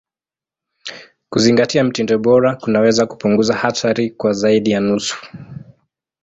Kuzingatia mtindo bora kunaweza kupunguza hatari kwa zaidi ya nusu.